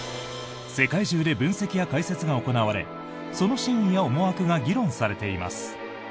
世界中で分析や解説が行われその真意や思惑が議論されています。